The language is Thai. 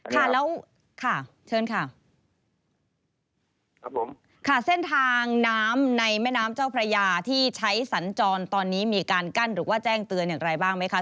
ค่ะแล้วค่ะเชิญค่ะครับผมค่ะเส้นทางน้ำในแม่น้ำเจ้าพระยาที่ใช้สัญจรตอนนี้มีการกั้นหรือว่าแจ้งเตือนอย่างไรบ้างไหมคะ